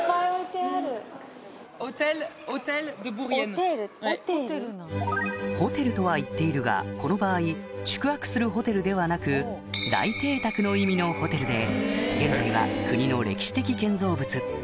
オテルオテル？ホテルとは言っているがこの場合宿泊するホテルではなく大邸宅の意味のホテルで現在は国の歴史的建造物